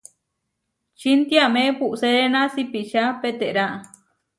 Čintiame puʼseréna sipiča peterá.